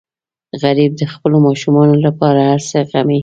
غریب د خپلو ماشومانو لپاره هر څه زغمي